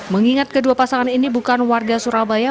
mengingat kedua pasangan ini bukan warga surabaya